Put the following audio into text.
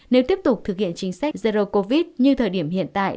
nếu tiếp tục thực hiện chính sách zero covid như thời điểm hiện tại